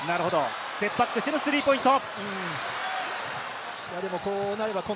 ステップアップしてのスリーポイント。